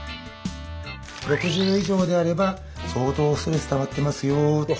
６０以上であれば相当ストレスたまってますよと。